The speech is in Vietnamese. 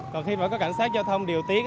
còn khi phải có cảnh sát giao thông điều tiết